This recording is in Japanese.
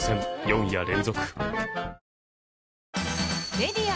メディア